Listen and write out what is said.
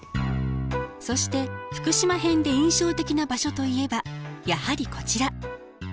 そして福島編で印象的な場所といえばやはりこちら。